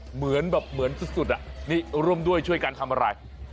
เหมือนแบบเหมือนที่สุดอ่ะโดยช่วยกันทำอะไร